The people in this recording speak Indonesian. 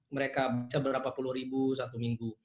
mereka bisa berapa puluh ribu satu minggu